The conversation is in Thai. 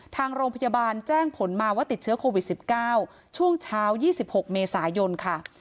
ทางโรงพยาบาลแจ้งผลมาว่าติดเชื้อโควิด๑๙ช่วงเช้า๒๖เมษายนค่ะ